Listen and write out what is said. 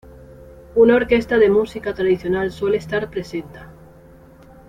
Una orquesta de música tradicional suele estar presenta.